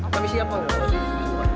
kami siap pak